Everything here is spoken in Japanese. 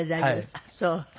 あっそう。